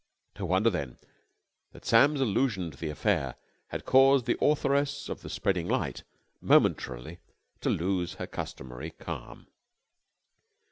No wonder, then, that Sam's allusion to the affair had caused the authoress of "The Spreading Light" momentarily to lose her customary calm.